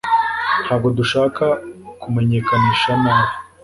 Ntabwo dushaka kumenyekanisha nabi